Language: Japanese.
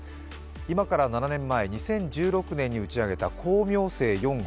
今から７年前２０１６年に打ち上げた光明星４号。